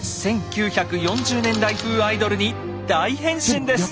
１９４０年代風アイドルに大変身です！